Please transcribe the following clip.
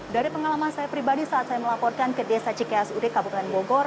dari pengalaman saya pribadi saat saya melaporkan ke desa cikas ude kabupaten bogor